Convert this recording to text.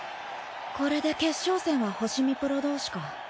これで決勝戦は星見プロ同士か。